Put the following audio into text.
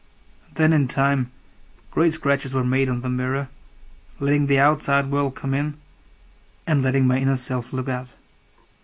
Then in time Great scratches were made on the mirror, Letting the outside world come in, And letting my inner self look out.